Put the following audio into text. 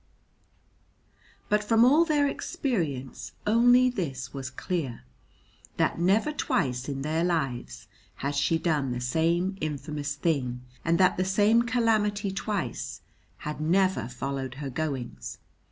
But from all their experience only this was clear, that never twice in their lives had she done the same infamous thing, and that the same calamity twice had never followed her goings.